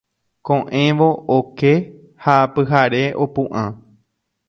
Koʼẽvo oke ha pyhare opuʼã.